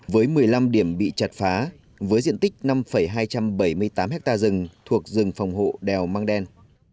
với một mươi năm điểm bị chặt phá với diện tích năm hai trăm bảy mươi tám ha rừng thuộc rừng phòng hộ đèo măng đen